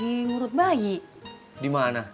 itungmu adalah kary goldman